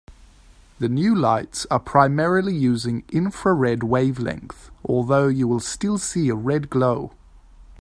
The new lights are primarily using infrared wavelength, although you will still see a red glow.